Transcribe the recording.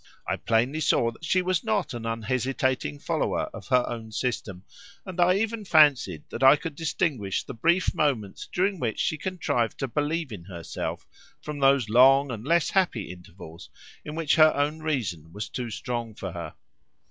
I plainly saw that she was not an unhesitating follower of her own system, and I even fancied that I could distinguish the brief moments during which she contrived to believe in herself, from those long and less happy intervals in which her own reason was too strong for her.